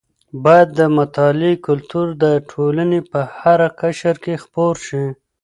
باید د مطالعې کلتور د ټولنې په هره قشر کې خپور شي.